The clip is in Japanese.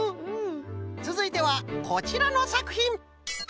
つづいてはこちらのさくひん。